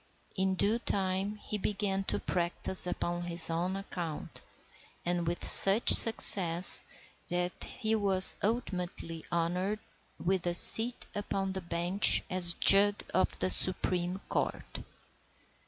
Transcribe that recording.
In due time he began to practise upon his own account, and with such success that he was ultimately honoured with a seat upon the bench as judge of the Supreme Court.